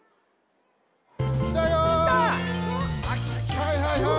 はいはいはい！